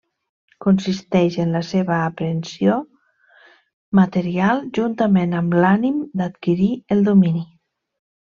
Consisteix en la seva aprehensió material juntament amb l'ànim d'adquirir el domini.